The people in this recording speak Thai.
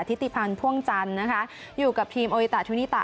ทิติพันธ์พ่วงจันทร์นะคะอยู่กับทีมโอลิตาทูนิตา